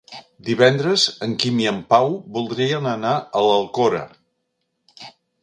Divendres en Quim i en Pau voldrien anar a l'Alcora.